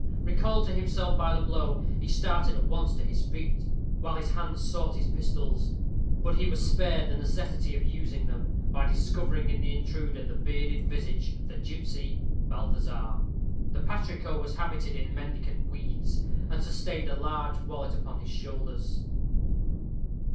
Recalled to himself by the blow, he started at once to his feet, while his hands sought his pistols: but he was spared the necessity of using them, by discovering in the intruder the bearded visage of the gipsy Balthazar. The patrico was habited in mendicant weeds, and sustained a large wallet upon his shoulders.